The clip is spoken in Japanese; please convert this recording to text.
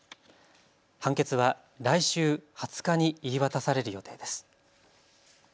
判決は来週２０日に言い渡される予定です。